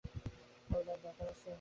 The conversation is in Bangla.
কল দেওয়ার দরকার আছে?